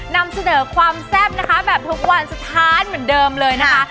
นำเสนอความแซ่บนะคะแบบทุกวันสถานเหมือนเดิมเลยนะคะ